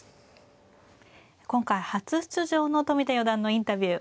今回初出場の冨田四段のインタビュー